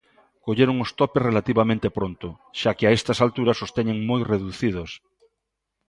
Colleron os topes relativamente pronto, xa que a estas alturas os teñen moi reducidos.